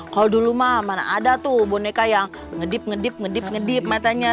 kalau dulu mah mana ada tuh boneka yang ngedip ngedip ngedip ngedip matanya